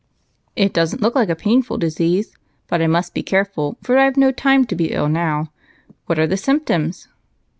"It doesn't look like a painful disease, but I must be careful, for I've no time to be ill now. What are the symptoms?"